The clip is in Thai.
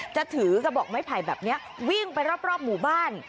จะถือกระบอกไม้ไผ่แบบนี้วิ่งไปรอบหมู่บ้าน